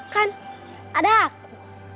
kan ada aku